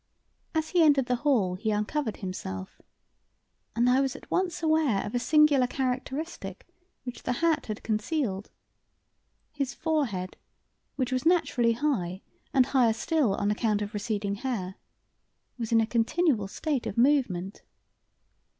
As he entered the hall he uncovered himself, and I was at once aware of a singular characteristic which the hat had concealed. His forehead, which was naturally high, and higher still on account of receding hair, was in a continual state of movement.